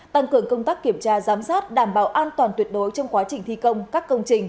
tăng cường công tác kiểm tra giám sát đảm bảo an toàn tuyệt đối trong quá trình thi công các công trình